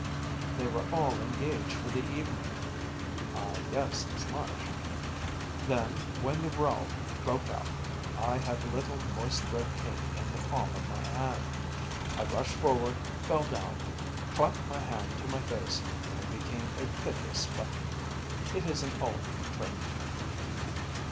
They were all engaged for the evening.‚ÄĚ “I guessed as much.‚ÄĚ “Then, when the row broke out, I had a little moist red paint in the palm of my hand. I rushed forward, fell down, clapped my hand to my face, and became a piteous spectacle. It is an old trick.